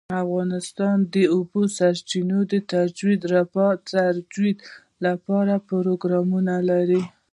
افغانستان د د اوبو سرچینې د ترویج لپاره پروګرامونه لري.